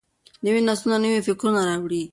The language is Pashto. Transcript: نوي نسلونه نوي فکرونه راوړي.